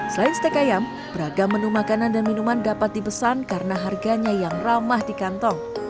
selain steak ayam beragam menu makanan dan minuman dapat dipesan karena harganya yang ramah di kantong